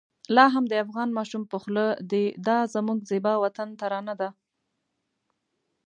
لا هم د افغان ماشوم په خوله د دا زموږ زېبا وطن ترانه ده.